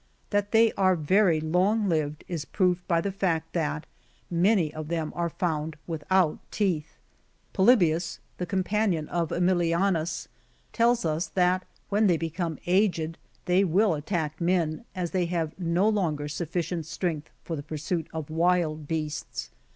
That they are very long lived is proved by the fact, that many of them are found without teeth. Polybius,^ the companion of ^milianus, tells us, that when they become aged they will at tack men, as they have no longer sufficient strength for the pursuit of wild beasts.